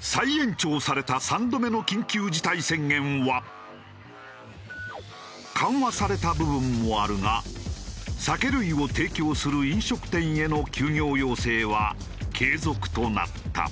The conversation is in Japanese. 再延長された３度目の緊急事態宣言は緩和された部分もあるが酒類を提供する飲食店への休業要請は継続となった。